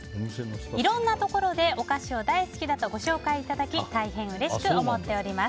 いろんなところでお菓子を大好きだとご紹介いただき大変うれしく思っております。